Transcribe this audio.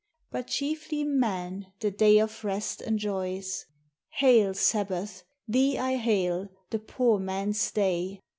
But chiefly man the day of rest enjoys. Hail, Sabbath ! thee I hail, the poor man's day.